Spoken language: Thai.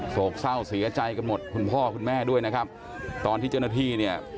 โศกเศร้าเสียใจกันหมดคุณพ่อคุณแม่ด้วยนะครับตอนที่เจ้าหน้าที่เนี่ย